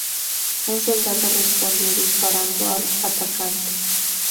Un soldado respondió disparando al atacante.